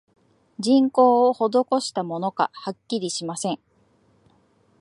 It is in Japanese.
人工をほどこしたものか、はっきりしません